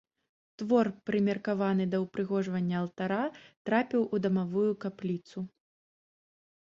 Твор, прымеркаваны да ўпрыгожвання алтара, трапіў у дамавую капліцу.